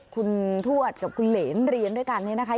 คุณทวดกับคุณเหรนเรียนด้วยกันเนี่ยนะคะ